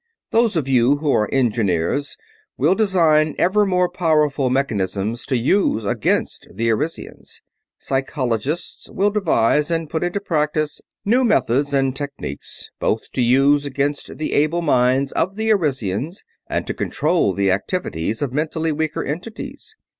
"Those of you who are engineers will design ever more powerful mechanisms to use against the Arisians. Psychologists will devise and put into practice new methods and techniques, both to use against the able minds of the Arisians and to control the activities of mentally weaker entities.